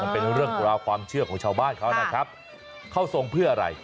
เป็นเรื่องราวความเชื่อของชาวบ้านเขานะครับเข้าทรงเพื่ออะไร